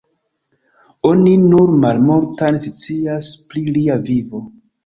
Oni nur malmultan scias pri lia vivo.